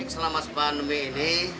selama pandemi ini